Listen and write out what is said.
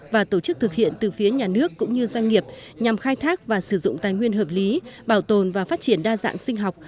và tổ chức thực hiện từ phía nhà nước cũng như doanh nghiệp nhằm khai thác và sử dụng tài nguyên hợp lý bảo tồn và phát triển đa dạng sinh học